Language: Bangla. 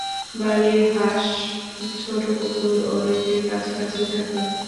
বালির হাঁস ছোট পুকুর বা হ্রদের কাছাকাছি থাকে।